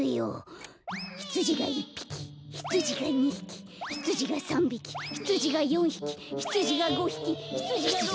ひつじが１ぴきひつじが２ひきひつじが３びきひつじが４ひきひつじが５ひきひつじが６ぴき。